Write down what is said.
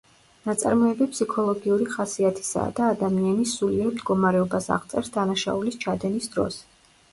ნაწარმოები ფსიქოლოგიური ხასიათისაა და ადამიანის სულიერ მდგომარეობას აღწერს დანაშაულის ჩადენის დროს.